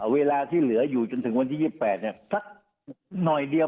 เวลาที่เหลืออยู่จนถึงวันที่๒๘สักหน่อยเดียว